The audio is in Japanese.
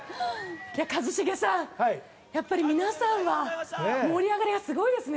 一茂さん、やっぱり皆さんの盛り上がりがすごいですね。